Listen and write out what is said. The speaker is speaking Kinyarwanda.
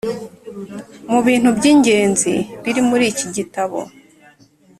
mu bintu by’ingenzi biri muri iki gitabo.